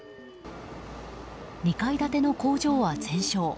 ２階建ての工場は全焼。